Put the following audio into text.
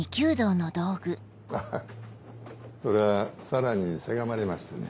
あっそれは紗良にせがまれましてね。